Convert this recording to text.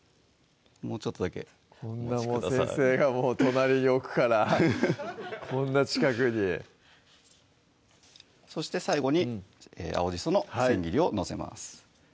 もうちょっとだけお待ちください先生がもう隣に置くからこんな近くにそして最後に青じその千切りを載せます